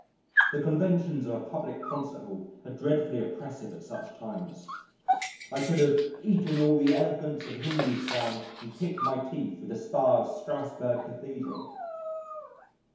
The conventions of a public concert hall are dreadfully oppressive at such times. I could have eaten "all the elephants of Hindustan and picked my teeth with the spire of Strassburg Cathedral."